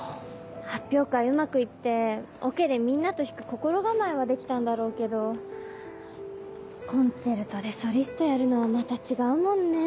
発表会うまくいってオケでみんなと弾く心構えはできたんだろうけど『コンチェルト』でソリストやるのはまた違うもんね。